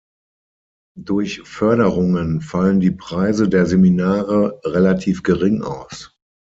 Durch Förderungen fallen die Preise der Seminare relativ gering aus.